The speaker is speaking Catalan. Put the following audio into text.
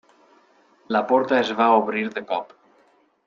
La porta es va obrir de cop.